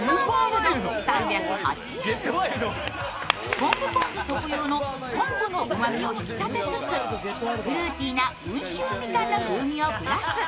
昆布ぽん酢特有の昆布のうまみを引き立てつつフルーティな温州みかんの風味をプラス。